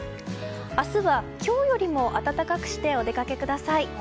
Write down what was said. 明日は今日よりも暖かくしてお出かけください。